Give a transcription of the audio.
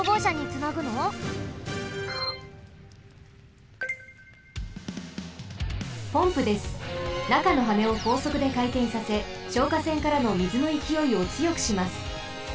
なかのはねをこうそくでかいてんさせ消火栓からのみずのいきおいをつよくします。